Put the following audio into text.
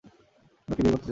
আমি ওকে বিয়ে করতে চাই।